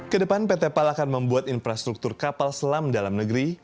kedepan pt pal akan membuat infrastruktur kapal selam dalam negeri